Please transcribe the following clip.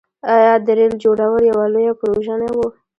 آیا د ریل جوړول یوه لویه پروژه نه وه؟